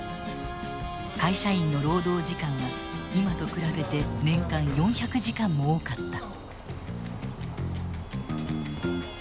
会社員の労働時間は今と比べて年間４００時間も多かった。